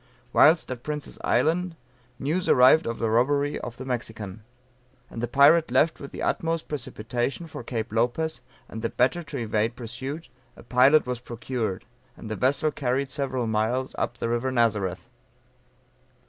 Whilst at Prince's Island news arrived of the robbery of the Mexican. And the pirate left with the utmost precipitation for Cape Lopez, and the better to evade pursuit, a pilot was procured; and the vessel carried several miles up the river Nazareth.